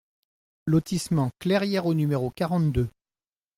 Lotissement Clairière au numéro quarante-deux